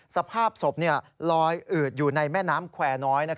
สภาพศพลอยอืดอยู่ในแม่น้ำแควร์น้อย